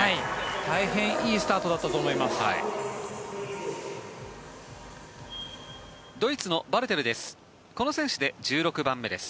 大変いいスタートだったと思います。